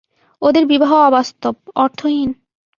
ওদের বিবাহ অবাস্তব, অর্থহীন।